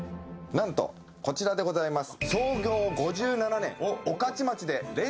なんと、こちらでございます。